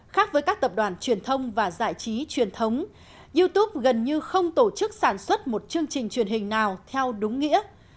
khác với các tập đoàn truyền thông và giải trí truyền thống youtube gần như không tổ chức sản xuất một chương trình truyền hình nào theo đúng nghĩa